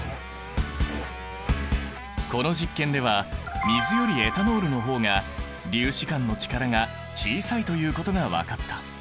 この実験では水よりエタノールの方が粒子間の力が小さいということが分かった。